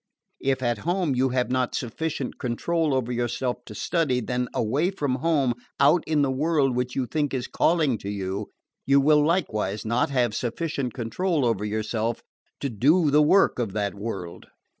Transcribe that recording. If at home you have not sufficient control over yourself to study, then away from home, out in the world which you think is calling to you, you will likewise not have sufficient control over yourself to do the work of that world.